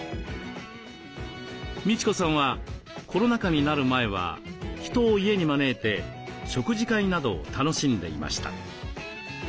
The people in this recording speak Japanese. みち子さんはコロナ禍になる前は人を家に招いて食事会などを楽しんでいました。